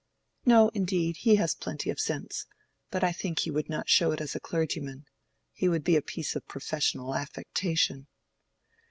"No, indeed, he has plenty of sense, but I think he would not show it as a clergyman. He would be a piece of professional affectation."